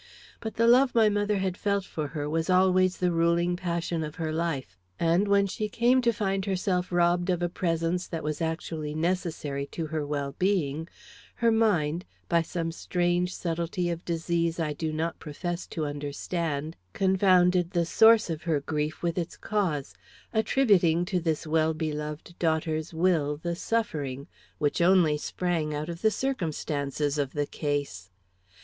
But the love my mother had felt for her was always the ruling passion of her life, and when she came to find herself robbed of a presence that was actually necessary to her well being, her mind, by some strange subtlety of disease I do not profess to understand, confounded the source of her grief with its cause, attributing to this well beloved daughter's will the suffering, which only sprang out of the circumstances of the case.